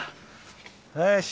よし。